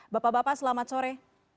bapak bapak selamat sore